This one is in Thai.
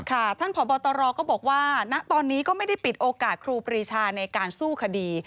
ท่านผอบตรก็บอกว่าณตอนนี้ก็ไม่ได้ปิดโอกาสครูปรีชาในการสู้คดี